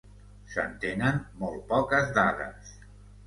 Se'n tenen molt poques dades.